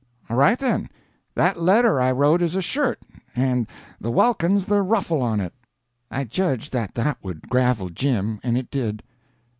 "All right, then; that letter I wrote is a shirt, and the welkin's the ruffle on it." I judged that that would gravel Jim, and it did.